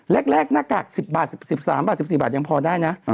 แรกหน้ากาก๑๐บาท๑๓บาท๑๔บาทยังพอได้นะ